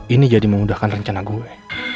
ini jadi memudahkan rencana gue